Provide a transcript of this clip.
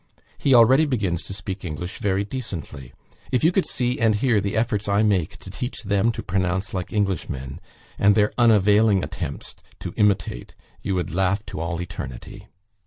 He already begins to speak English very decently. If you could see and hear the efforts I make to teach them to pronounce like Englishmen, and their unavailing attempts to imitate, you would laugh to all eternity.